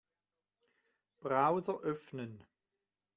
Browser öffnen.